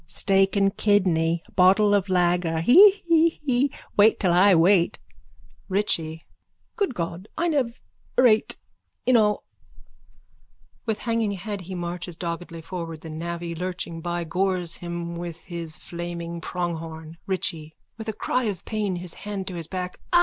_ Steak and kidney. Bottle of lager. Hee hee hee. Wait till I wait. RICHIE: Goodgod. Inev erate inall... (With hanging head he marches doggedly forward. The navvy, lurching by, gores him with his flaming pronghorn.) RICHIE: _(With a cry of pain, his hand to his back.)